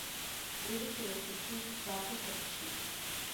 Уи лыҷкәын иахь дыԥшны дааԥышәарччеит.